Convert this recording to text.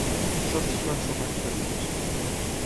El sostre es va ensorrar cap a dins.